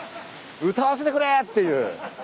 歌わせてくれ！っていう。